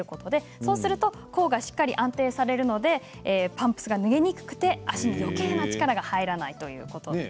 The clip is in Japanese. そうすると甲がしっかり安定されるのでパンプスが脱げにくくなるので足にはよけいな力が入らないということです。